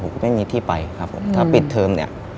ผมก็ไม่มีที่ไปถ้าปิดเทิม